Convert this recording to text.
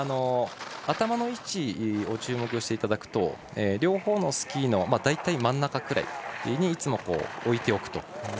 頭の位置に注目すると両方のスキーの大体真ん中くらいにいつも置いておくと。